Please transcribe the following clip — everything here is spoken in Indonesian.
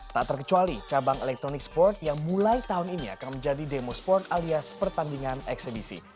tak terkecuali cabang elektronik sport yang mulai tahun ini akan menjadi demo sport alias pertandingan eksebisi